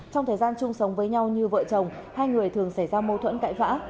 trong thời gian chung sống với nhau như vợ chồng hai người thường xảy ra mâu thuẫn cãi vã